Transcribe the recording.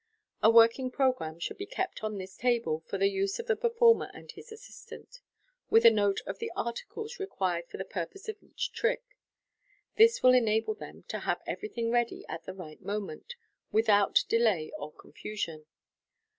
A working programme should be kept on this table for the use of the performer and his assistant, with a note of the articles required for the purpose of each trick. This will enable them to have everything ready at the right moment, without delay or confusion.